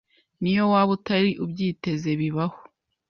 n’iyo waba utari ubyiteze bibaho